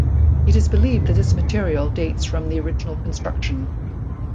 It is believed that this material dates from the original construction.